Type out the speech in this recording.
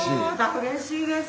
うれしいです。